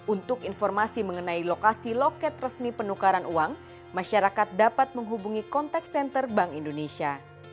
untuk informasi mengenai lokasi loket resmi penukaran uang masyarakat dapat menghubungi kontak senter bank indonesia